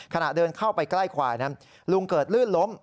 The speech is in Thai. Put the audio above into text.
ขณะเดินเข้าไปใกล้ควายนั้นลุงเกิดลื่นล้ม